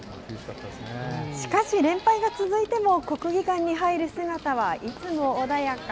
しかし連敗が続いても、国技館に入る姿は、いつも穏やか。